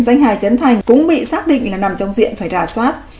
danh hài chấn thành cũng bị xác định là nằm trong diện phải rà soát